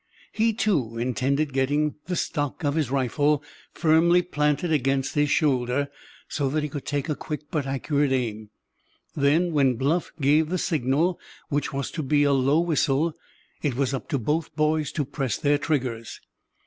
He, too, intended getting the stock of his rifle firmly planted against his shoulder, so that he could take a quick but accurate aim. Then when Bluff gave the signal—which was to be a low whistle—it was up to both boys to press their triggers.